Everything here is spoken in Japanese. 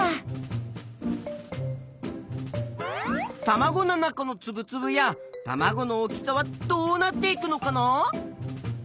たまごの中のつぶつぶやたまごの大きさはどうなっていくのかな。